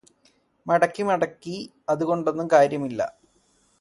മടക്കി മടക്കി അതുകൊണ്ടൊന്നും കാര്യമില്ലാ